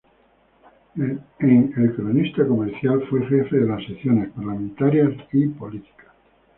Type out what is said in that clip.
En El Cronista Comercial fue jefe de las secciones "Parlamentarias" y "Política".